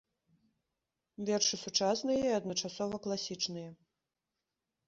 Вершы сучасныя і адначасова класічныя.